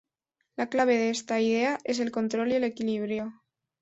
La clave de esta idea es el control y el equilibrio.